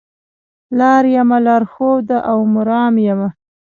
لار یمه لار ښوده او مرام یمه